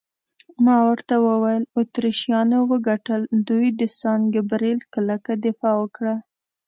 ما ورته وویل: اتریشیانو وګټل، دوی د سان ګبرېل کلکه دفاع وکړه.